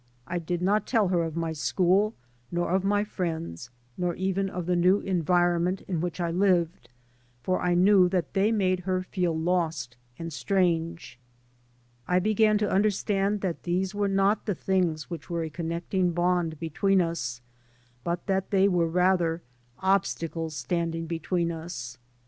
I did not tell her of my school, nor of my friends, nor even of the new enviroment in which I lived, for I knew that they made her feel lost and strange. I began to under stand that these were not the things which were a connecting bond between us, but that they were rather obstacles standing between us.